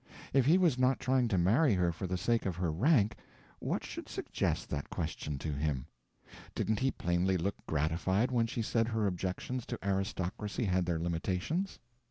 If he was not trying to marry her for the sake of her rank, what should suggest that question to him? Didn't he plainly look gratified when she said her objections to aristocracy had their limitations?